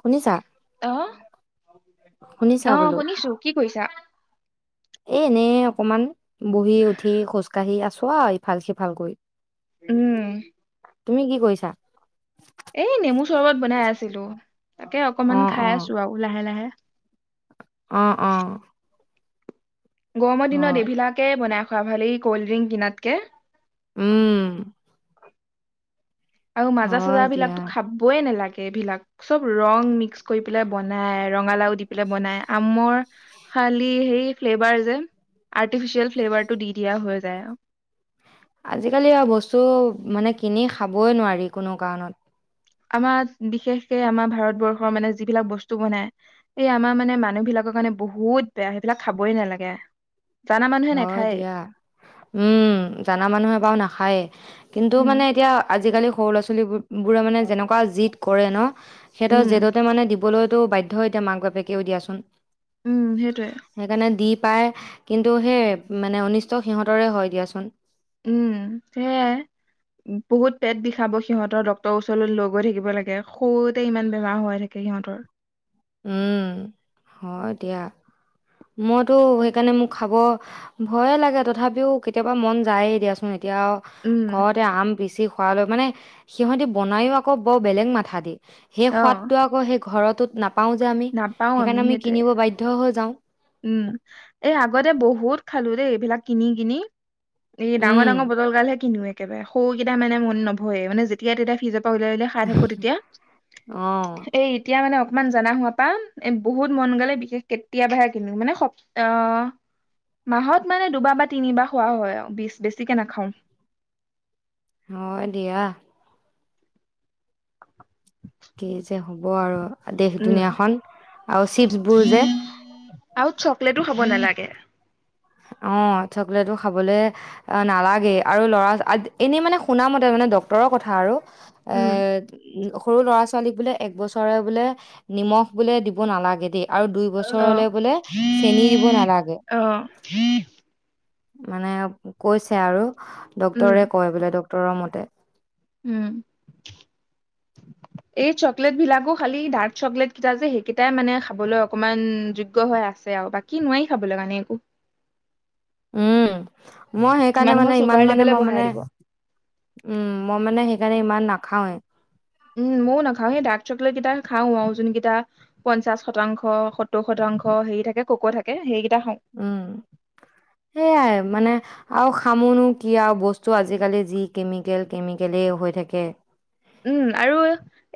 শুনিছা [unintelligible] [inaudible] অহ শুনিছা অহ বোলো শুনিছো কি কৰিছা। এ এনেই অকমান বহি উঠি খোজ কাঢ়ি আছোঁ আৱ ইফাল সিফাল কৰি উম। তুমি কি কৰিছা। এই নেমু চৰবত বনাই আছিলো। তাকে অ অকমান অ খাই আছোঁ আৱ লাহে লাহে। অ অ। গৰমৰ দিনত হয় এইবিলাকে বনাই খোৱা ভাল এই কৌল ড্ৰিংক কিনাতকে। উম। আৰু মাজা হয় চাজা দিয়া বিলাকটো খাবই নেলাগে। এইবিলাক চব ৰং মিক্স। কৰি পেলাই বনাই ৰঙালাও দি পেলাই বনাই আমৰ। খালি সেই ফ্লেভাৰ যে আৰ্টিফিচিয়েল ফ্লেভাৰটো দি দিয়া হৈ যায় আৰু। আজিকালি বস্তু মানে কিনি খাবই নোৱাৰি কোনো কাৰণত। আমাৰ বিশেষকে আমাৰ ভাৰতবৰ্ষৰ মানে যিবিলাক বস্তু বনাই এই আমাৰ মানে মানুহ বিলাকৰ কাৰণে বহুত বেয়া ।সেইবিলাক খাবই নালাগে। জানা মানুহে হয় নাখায় দিয়া উম জানা মানুহে বাৰু নাখায়েই। কিন্তু উম মানে এতিয়া আজিকালি সৰু ল'ৰা ছোৱালী। [unintelligible] বোৰে মানে যেনেকুৱা জিদ। কৰে ন। সিহঁতৰ উম জেদতে মানে দি। দিবলৈতো বাধ্যই এতিয়া মাক বাপেকেও দিয়াচোন। উম সেইটোৱে। সেইকাৰণে দি পায় কিন্তু। এইটো সে মানে অনিষ্ট সিহঁতৰে হয় দিয়াচোন। উম সেয়াই বহুত পেট বিষাব সিহঁতৰ ডক্তৰৰ ওচৰলৈ লৈ গৈ থাকিব লাগে। সৰুতে ইমান বেমাৰ হৈ থাকে সিহঁতৰ। উম হয় দিয়া মইতো সেইকাৰণে মোক খাব ভয়ে লাগে ।তথাপিও কেতিয়াবা মন যায়েই দিয়াচোন। এতিয়াও উম ঘৰতে আম পিচি। পায় ভাগ মানে সিহঁতি বনায়ো আকৌ বৰ বেলেগ মাথা দি। সেই অ সোৱাদটো আকৌ সেই ঘৰত। তোত নাপ- পাওঁ যে আমি নাপাও সেইকাৰণে আমি সেইটোৱে কিনিব বাধ্য হৈ যাওঁ। উম এই আগতে বহুত খালোঁ দেই ।এইবিলাক কিনি কিনি। এই ডাঙৰ উম ডাঙৰ বটল গাল হে কিনো এক। একেবাৰে সৰুকেইটা মানে মন নভয়ে মানে যেতিয়া তেতিয়া ফিজত। উলিয়াই উলিয়াই খাই থাকোঁ তেতিয়া, অ এই‌ এতিয়া মানে অকমান- অকমান জানা হোৱা পা বহুত মন গ'লে বিশেষ কেতিয়াবাহে। কিনো মানে সপ্ত অহ মাহত মানে দুবাৰ বা তিনিবাৰ খোৱা হয় আৰু বেছিকে নাখাওঁ। হয় দিয়া। কি যে হ'ব আৰু। দেশ উম দুুনীয়াখন আৰু চিতছবোৰ যে। আৰু চকলেটো খাৱ নালাগে। অ চকলেটটো খাবলৈ নালাগেই আৰু ল'ৰা এনেই মানে শুনামতে মানে ডক্তৰৰ কথা আৰু। উম এই। সৰু ল'ৰা ছোৱালীক বোলে একবছৰ বোলে নিমখ বোলে দিব নালাগে দেই। আৰু দুই অ বছৰলে বোলে চেনী দিব নালাগে। অ মানে কৈছে আৰু উম ডক্টৰে কৈ বোলে ড তোৰমতে উম, এই চকলেট বিলাকো খালি ডাৰ্ক চকলেট কেইটা যে সেইকেইটাই মানে খাবলৈ অকমান যোগ্য হৈ আছে আৰু বাকী নোৱাৰি খাবলৈ কাৰণে একো উম। মই সেইকাৰণে মানুহৰ মানে চুগাৰ ইমান মানে লেভেলে মই বঢ়াই মানে, দিব উম মই মানে সেইকাৰণে ইমান নাক খাওৱে। উম, ময়ো নাখাও এই ডাৰ্ক চকলেট কেইটা খাও আৰু যোনকেইটা পঞ্চাশ শতাংশ, সত্তৰ শতাংশ হেৰি থাকে কক' থাকে সেই উম সেইয়াই মানে আৰু খামনো কি আৰু বস্তু আজিকালি যি কেমিকেল, কেমিকেলেই হৈ থাকে। উম আৰু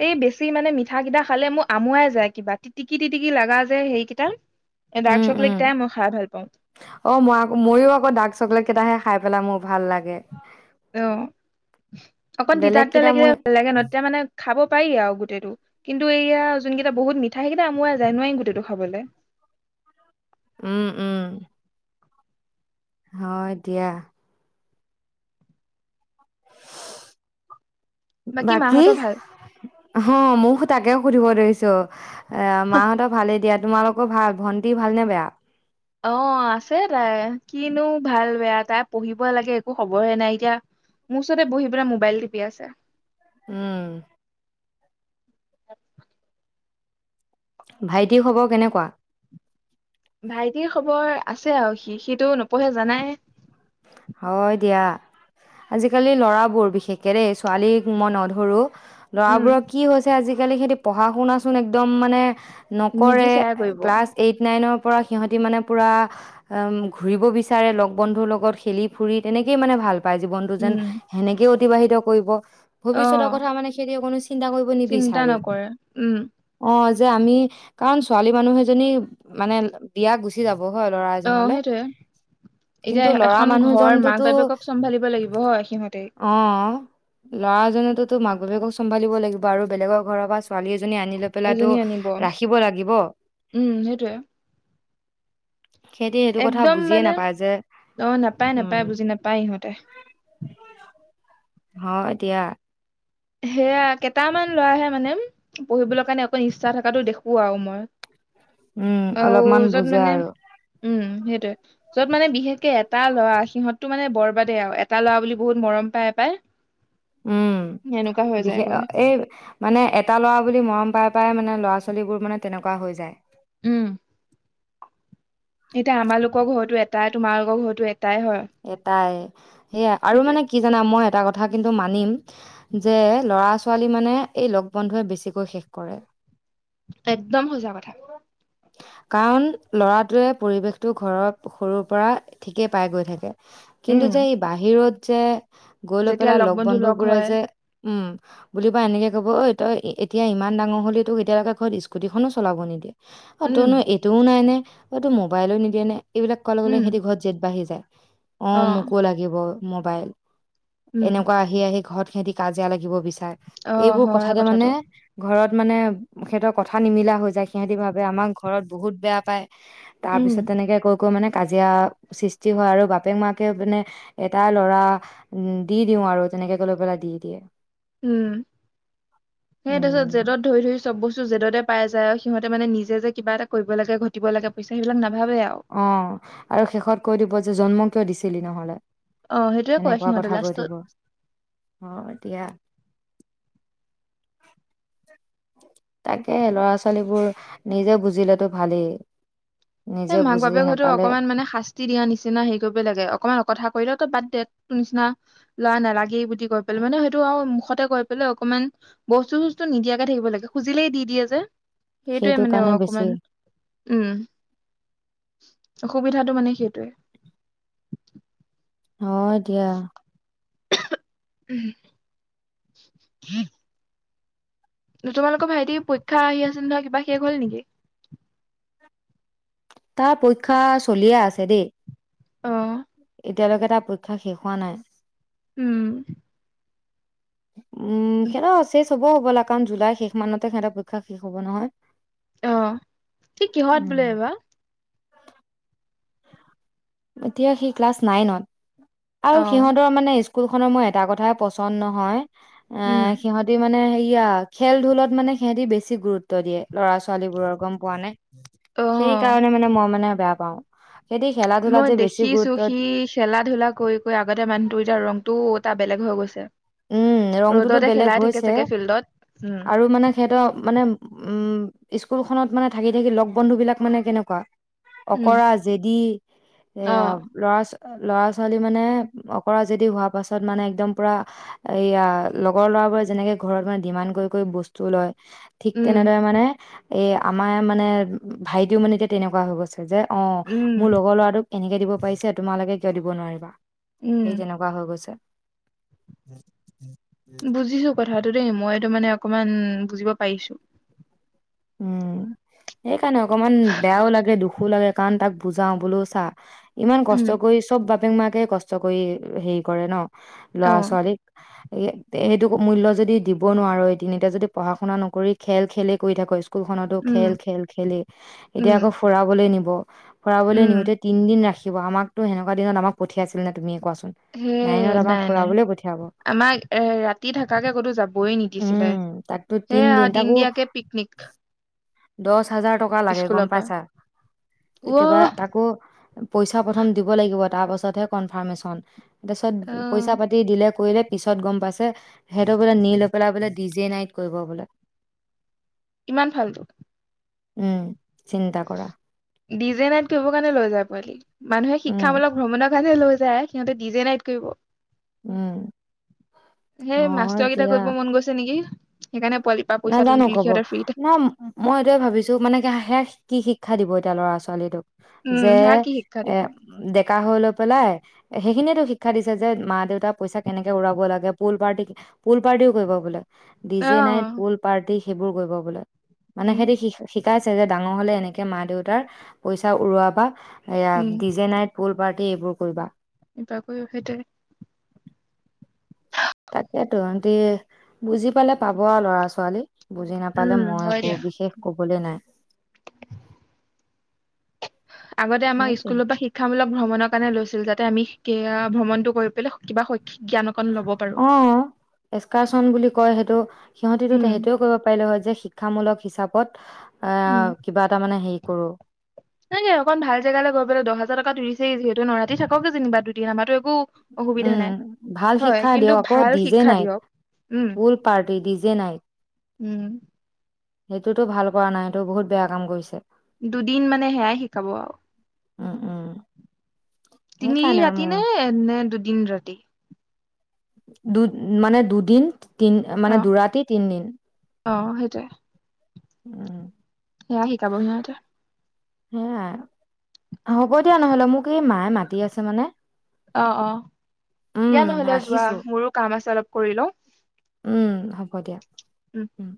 এই বেছি মানে মিঠা কেইটা খালে মোক আমুৱাই যায় কিবা তিটিকি টটিকি লগা যে সেইকেইটা ডাৰ্ক উম চকলেট উম, কেইটাই মই খাই ভাল পাওঁ অ মই আক মইয়ো আকৌ ডাৰ্ক চকলেট কেইটাহে খাই পেলাই মোৰ ভাল লাগে। অ, অকন তিতা বেলেগ তিতা কেইটা লাগিলে মই ভাল লাগে ন তেতিয়া মানে খাব পায় আৰু গোটেইটো, কিন্তু এয়া যোনকেইটা বহুত মিঠাই সেইকেইটা আমোয়াই যায় খাবলে নোৱাৰি গোটেইটো খাবলৈ। উম উম। হয় দিয়া। বাকী, মাহঁতৰ ভাল হ মোৰো তাকে সুধিব ধৰিছো । এ মাহঁতৰ ভালে দিয়াত তোমালোকৰ ভাল, ভণ্টি ভাল নে বেয়া? অ আছে তাই, কিনো ভাল বেয়া তাই পঢ়িব লাগে একো খবৰহে নাই এতিয়া, মোৰ ওচৰতে বহি পেলাই মোবাইল টিপি আছে। উম। তাত পা ভাইটি খবৰ কেনেকুৱা? ভাইটিৰ খবৰ আছে আৰু সি সিটো নপঢ়ে জানাই। হয় দিয়া, আজিকালি লৰাবোৰ বিশেষকে দেই ছোৱালীক মই নধৰো উম ল'ৰাবোৰক কি হৈছে আজি আজিকালি সেই পঢ়া শুনাচোন একদম মানে নকৰে নিবিচাৰে কৰিব ক্লাছ এইট, নাইনৰ পৰা সিহঁতি মানে পুৰা ঘূৰিব বিচাৰে, লগ বন্ধুৰ লগত খেলি ফুৰি তেনেকেই মানে ভাল পায় জীৱনটো যেন উম সেনেকেও অতিবাহিত কৰিব অ ভৱিষ্যতৰ কথা মানে সিহতি কোনো চিন্তা কৰিব চিন্তা নিবিচাৰে, নকৰে উম অ। যে আমি কাৰণ ছোৱালী মানুহ এজনী মানে বিয়া গুচি যাব ব লৰা অ এজনলে, সেইটোৱে এতিয়া কিন্তু এ- লৰা এখন ঘৰ মাক মানুহজনোতো বাপেকক চম্ভালিব লাগিব হয় সিহঁতে অ লৰাজনে তো তো মাক বাপাককম্ভালিবাগিব আৰু বেলেগৰ ঘৰৰ পৰা ছোৱালী এজনী আনি লৈ পেলো তো এজনী আনিব ৰাখিব লাগিব উম সেইটোয়ে সিহঁতি সেইটো কথা একদম বুজিয়ে মানে নাপায় যে অ নাপায় নাপায় উম বুজি নাপায় ইিহঁতে হ এতিিয়া সেয়া কেইটামান ল'ৰাহে মানে পঢ়িবলৈ কাৰণে অকণ ইচ্ছা থকাাতটো দেখো আৰু মই উম আহ অলপমান যত বুজে মানে আৰু উম সেইটোৱে য'ত মানে বিশেষকে এটা ল'ৰা সিহততটো মানে বৰবাদে আৰু এটা ল'ৰা বুলি বহুত মৰম পায় পায় উম বিশেষ এই মানে এটা ল'ৰা বুলি মৰম পাই পায় মানে ল'ৰা ছোৱালীবোৰ মানে তেনেকুৱা হৈ যায় উম এতিয়া আমাৰালোকৰ ঘৰতো এটটা তোমালোকৰ ঘৰতো এটা এটাই সেয়া আৰু সেইটোয়ে মানে কি জানা মই এটা কথা কিন্তু মানিম যে ল'ৰা ছোৱালী মানে এই লগ বন্ধুৱে বেছিকৈ শেষ কৰে একদম সজা কথা কাৰণ লৰাটোৱে পৰিৱেশটো ঘৰৰ সৰুৰ পৰা ঠিকেই পাই গৈ থাকে কিন্তু উম যে এই বাহিৰত যে গৈ লৈ পেলাই লগ বন্ধু বোৰে যে উম বুলি ৱা এনেকে কব ঐ তই এতিয়া ইমান ডাঙৰ হলে তোক এতিয়ালৈকে ঘৰত স্কুটিখনো চলাব নিদিয়ে অ উম তনো এইটোও নাই নে অ তটো মোবাইলো নিদিয়ে নে এইবিলাক কোৱা লগে লগে উম সিহঁতি ঘৰ ত জেঠ বাঢি যায় অ মোকো লাগিব মোবাইল উম এনেকুৱা আহি আহি ঘৰত সিহতি কাজিয় লাগিব বিচাৰে। অ এইবোৰ হয় কথাতে কথাটো মানে ঘৰত মানে সিহতৰ কথা নিমিলা হৈ যায় সিহঁতি বা আমাৰ ঘৰত বহুত বেয়া পায় তাৰ উম পিছত তেনেকে কৈ কৈ মানে কাজিয়া সৃষ্টি হয় আৰু বাপেক মাকে মানে এটাই লৰা দি দিওঁ আৰু তেনেকেকে লৈ পেলাই দি দিয়ে। উম সেই তাৰপিছত উম, জেদত ধৰি ধৰি চব বস্তু যেদতে পাই যায় আৰু সিহঁতে মানে নিজে যে কিবা এটা কৰিব লাগে ঘটিব লাগে পইচা সেইবিলাক ন- অ আৰু শেষত কৈ দিব যে জন্ম। তই দিছিলি নহ'লে। অ সেইটোয়ে কয় সেনেকুৱা সিহঁতে কথা কৈ লাষ্টত দিব অ এতিয়া। [inaudible] তাকে ল'ৰা ছোৱালীবোৰ নিজে বুজিলেতো ভালেই। এ নিজে মাক বুজি বাপেক হয়তো নাপালে অকণমান মানে শাস্তি দিয়া নিচিনা হেৰি কৰিব লাগে ।অকমান কথা কৰিলে ত বাদ তে নিচিনা ল'ৰা নালাগেই বুলি কৈ পেলাই মানে সেইটো আৰু মুখতে কৈ পেলাই অকমান বস্তু চস্তু নিদিয়াকে থাকিব লাগে খুজিলেই দি দিয়ে যে। সেইটোয়ে সেইটো মানে কাৰণে বেছি অকমান উম। অসুবিধাটো মানে সেইটোৱে অ এতিয়া। উম [inaudible] তোমালোকৰ ভাইটি পৰীক্ষা আহি আছিল নহয় কিবা শেষ হ'ল নেকি? তাৰ পৰীক্ষা চলিয়ে আছে দেই। অ এতিয়ালৈকে তাৰ পৰীক্ষা শেষ হোৱা নাই। উম। উম সেত আছে। চব হ'ব লাগে কাৰণ জুলাই শেষ মানতে হেতৰ পৰীক্ষা শেষ হ'ব নহয়। অ কি কিহত বোলে উম। এইবা। এতিয়া সি ক্লাছ নাইনত। আৰু অ', সিহঁতৰ মানে। স্কুলখনৰ মোৰ এটা কথাই পচন্দ নহয়। অ উম, সিহঁতি মানে। এয়া খেল ধুলত মানে সিহঁতি বেছি গুৰুত্ব দিয়ে ল'ৰা ছোৱালী বোৰৰ গম পোৱা নে। সেই অ', কাৰণে মানে মই মানে বেয়া। পাওঁ। সেতি খেলা ধূলাত। যে বেছি দেখিছোঁ গুৰুত্ব সি খেলা ধূলা কৰি কৰি আগতে মানুহটো এতিয়া ৰংটো। টা বেলেগ হৈ গৈছে। উম ৰংটোতো ৰ'দতে বেলেগ খেলাই থাকে হৈছে চাগে ফিল্ডত। উম, আৰু মানে সিহঁতৰ মানে। উম স্কুলখনত মানে থাকি থাকি লগ বন্ধু বিলাক মানে কেনেকুৱা? উম, অকৰা জেদি এ অ', ল'ৰা ছ ল'ৰা ছোৱালী মানে অকৰা যদি হোৱা পাছত মানে একদম পুৰা। এইয়া লগৰ ল'ৰাবোৰে যেনেকে ঘৰত মানে ডিমাণ্ড কৰি কৰি বস্তু লয়। ঠিক উম, তেনেদৰে মানে। এ আমাৰ মানে, ভাইটিও মানে এতিয়া তেনেকুৱা হৈ গৈছে। যে অ উম, মোৰ লগৰ ল'ৰাটোক এনেকে দিব পাৰিছে তোমালোকে কিয় দিব নোৱাৰিবা। সেই উম, তেনেকুৱা হৈ গৈছে। উম উম [inaudible] বুজিছো ক কথাটো দেই, মইতো মানে অকমান বুজিব পাৰিছো। উম, সেইকাৰণে অকমান বেয়াও লাগে, দুখো লাগে কাৰণ তাক বুজাও বোলো চা ইমান উম, কষ্ট কৰি চব ব বাপেক মাকে কষ্ট কৰি হেৰি কৰে ন। ল'ৰা অ', ছোৱালীক সেইটো মূল্য যদি দিব নোৱাৰো এদিন এতিয়া যদি পঢ়া শুনা নকৰি খেল খেলেই কৰি থাকো স্কুল খনতো উম, খেল খেল খেলি, এতিয়া উম, আকৌ ফুৰাবলৈ নিব ব ফুৰাবলৈ উম, নিওঁতে তিনদিন ৰাখি নিব, আমাকটো সেনেকোৱা দিনত আমাক পঠিয়াইছিল নে তুমি কোৱাচো হে নাই নাই, আমাক ৰাতি থকাকে কতো যাবই নিদিছিলে, উম তাকতো সেয়া দিন দিয়াকে পিকনিক দশ হাজাৰ টকা লাগে গম স্কুলৰ পৰা পাইছা, একেবাৰে ৱ তাকো পইচা প্ৰথম দিব লাগিব তাৰ পাছতহে কনফাৰ্মেশচন। তাৰ পিছত পইচা পাতি দিলে কৰিলে পিছত গম পাইছে, সেইটো বোলে নি লৈ পেলাই বোলে ডি জে নাইট কৰিব বোলে। কিমান ফাল্তু উম, চিন্তা কৰা। ডিজে নাইট কৰিব কাৰণে লৈ যায় পোৱালিক। মানুহে উম শিক্ষামূলক ভ্ৰমণৰ ফালে লৈ যায় সিহঁতে ডি জে নাইট কৰিব। উম হেই হয় মাষ্টৰ কেইটা দিয়া কৰিব মন গৈছে নেকি? সেইকাৰণে পোৱালিৰ পৰা পইচা তুলি নাজানো তুলি ক'ব, সিহঁতে ফ্ৰীতে ন মই এইটোয়ে ভাবিছো মানে কি সেয়া কি শ শিক্ষা দিব এতিয়া ল'ৰা ছোৱালীটোক উম যে সেয়া কি শিক্ষা এ দিব দেখ ডেকা হৈ লৈ পেলাই সেইখিনিয়েতো শিক্ষা দিছে যে মা দেউতাক পইচা কেনেকে উৰাব লাগে, পুল পাৰ্টি পুল পাৰ্টিও কৰিব বোলে, ডি জে নাইট আহ পুল পাৰ্টি সেইবোৰো কৰিব বোলে মানে উম সেইটি শি শিক্ষা শিকাইছে যে ডাঙৰ হলে এনেকে মা দেউতাৰ পইচা উৰুৱা বা এয়া উম D J night pool party দেই এইবোৰ কৰিবা এবাকৈও সেইটোৱে তাকেইতো সেতি বুজি পালে পাব আৰু ল'ৰা ছোৱালী বুজি নাপালে উম মই হয় একো দিয়া বিশেষ ক'ব ক'বলে নাই আগতে আমাক সেইটোৱে স্কুলৰ পৰা শিক্ষামূলক ভ্ৰমণৰ কাৰণে লৈছিল তাতে আমি কিবা আ ভ্ৰমণটো কৰি পেলাই কিবা শৈক্ষিক জ্ঞান অকণ ল'ব পাৰো অ এস্কাৰচন বুলি কয় সেইটো সিহঁতিটো উম তেহেতিয়ো কৰিব পাৰিলে হয় যে শিক্ষামূলক হিচাপ পত উম সঁচাকে অকন ভাল জেগালৈ গৈ পেলায় দহ হাজাৰ টকা টু স যিহেতু নৰা থাকক যেনিবা দুদিন আমাৰ তো উম ভাল শিক্ষা কিন্তু দিয়ক আকৌ ভাল দি যে শিক্ষা নাইত দিয়ক উম ফুল পাৰ্টি দি যে নাইত উম সেইটোতো ভাল কৰা নাই এইটো বহুত বেয়া কাম কৰিছে দুদিন মানে সেয়াই শিকাব আৰু উম উম তিনি সেইকাৰণে ৰাতি মোৰ নে নে দুদিন ৰাতি দু মানে দুদিন তি অ মানে দু ৰাতি তিনদিন অ সেইটোৱে উম সেয়া শিকাব সিহঁতে। সেয়াই হ'ব দিয়া নহলে মোক, এই মায়ে মাতি আছে মানে অ-অ, উম, দিয়া নহলে যোৱা ৰাখিছোঁ মোৰো কাম আছে অলপ কৰি লওঁ। উম, হ'ব দিয়া। উম।